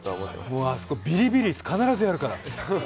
もうあそこ、ビリビリ椅子必ずやるから。